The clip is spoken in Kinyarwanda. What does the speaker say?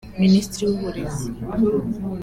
Minisitiri w’Uburezi